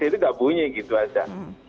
itu gak bunyi gitu aja